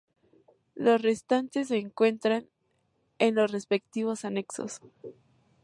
Los restantes se encuentran en los respectivos anexos.